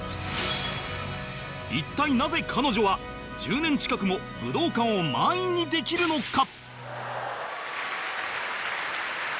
一体なぜ彼女は１０年近くも武道館を満員にできるのか？